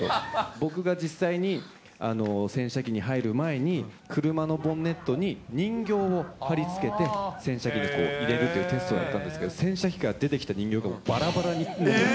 僕が実際に洗車機に入る前に、車のボンネットに人形を張りつけて、洗車機に入れるというテストをやったんですけど、洗車機から出てきた人形がばらばらになってて。